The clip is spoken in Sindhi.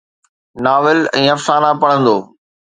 ناول ۽ افسانا پڙهندو